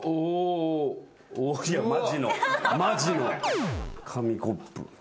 マジのマジの紙コップ。